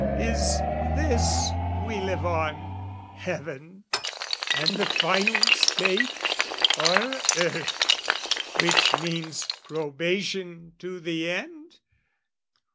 "Is this, we live on, heaven and the final state, "Or earth which means probation to the end?